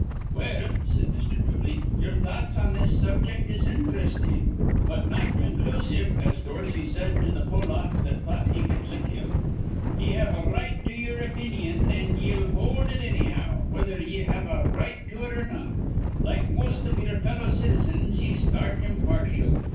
"Well," said Mr. Dooley, "ye'er thoughts on this subject is inthrestin', but not conclusive, as Dorsey said to th' Pollack that thought he cud lick him. Ye have a r right to ye'er opinyon, an' ye'll hold it annyhow, whether ye have a r right to it or not. Like most iv ye'er fellow citizens, ye start impartial.